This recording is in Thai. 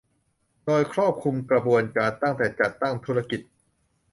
โดยครอบคลุมกระบวนการตั้งแต่จัดตั้งธุรกิจ